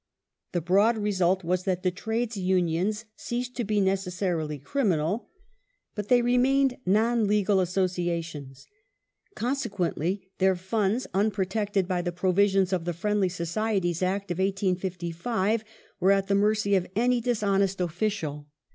The broad result was that Trades Unions ceased to be necessarily criminal, but they remained non legal associations. Consequently their funds, unprotected by the provisions of the Friendly Societies Act of 1855, were at the mercy of any dishonest official.